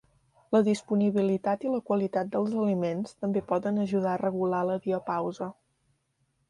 La disponibilitat i la qualitat dels aliments també poden ajudar a regular la diapausa.